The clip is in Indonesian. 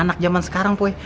anak jaman sekarang poh